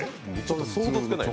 想像つかない。